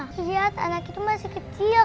sujiat anak itu masih kecil